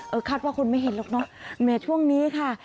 คาดว่าคนไม่เห็นหรอกเนอะแม้ช่วงนี้ค่ะ